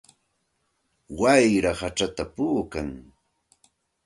Wayra hachata puukan.